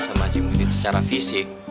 sama haji muhyiddin secara fisik